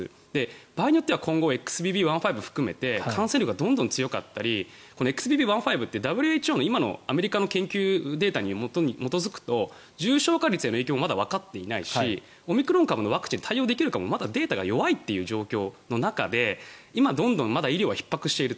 場合によっては今後ＸＢＢ．１．５を含めて感染力がどんどん強かったりＸＢＢ．１．５でＷＨＯやアメリカの研究機関のデータに基づくと重症化率への影響はまだ、わかっていないしオミクロン株のワクチンで対応できるかもまだデータが弱いという状況の中で今どんどん医療はひっ迫していると。